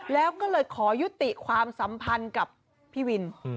แล้วก็เลยขอยุติความสัมพันธ์กับพี่วิน